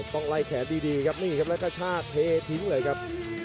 ต้องไล่แขนดีครับแล้วก็ชาติเค้ทิ้งเลยครับ